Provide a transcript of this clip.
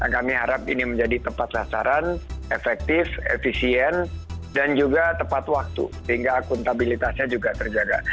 kami harap ini menjadi tepat sasaran efektif efisien dan juga tepat waktu sehingga akuntabilitasnya juga terjaga